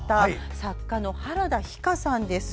作家の原田ひ香さんです。